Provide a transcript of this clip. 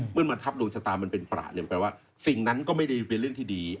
เมื่อมาทับดวงชะตามันเป็นประเนี่ยแปลว่าสิ่งนั้นก็ไม่ได้เป็นเรื่องที่ดี